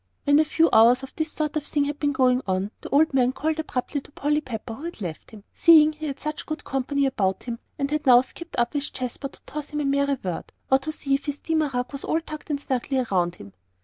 When a few hours of this sort of thing had been going on, the old man called abruptly to Polly Pepper, who had left him, seeing he had such good company about him, and had now skipped up with Jasper to toss him a merry word, or to see if his steamer rug was all tucked in snugly around him.